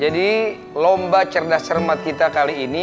jadi lomba cerdas cermat kita kali ini